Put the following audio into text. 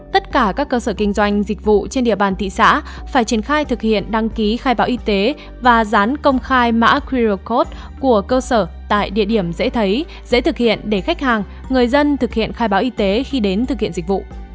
tất cả các cơ sở kinh doanh dịch vụ trên địa bàn thị xã phải triển khai thực hiện đăng ký khai báo y tế và dán công khai mã qr code của cơ sở tại địa điểm dễ thấy dễ thực hiện để khách hàng người dân thực hiện khai báo y tế khi đến thực hiện dịch vụ